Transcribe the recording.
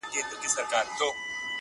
بلکي شاعرانه تجربي یې